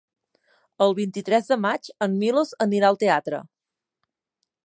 El vint-i-tres de maig en Milos anirà al teatre.